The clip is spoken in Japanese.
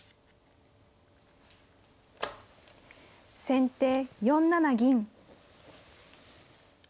先手４七銀。